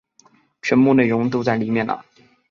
全部内容都在里面了